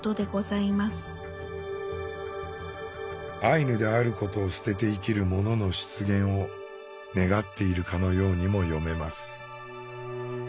アイヌであることを捨てて生きる者の出現を願っているかのようにも読めます。